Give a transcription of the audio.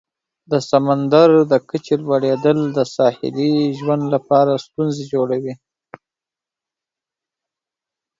د سمندر د کچې لوړیدل د ساحلي ژوند لپاره ستونزې جوړوي.